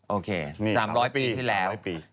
โอเค๓๐๐ปีที่แล้ว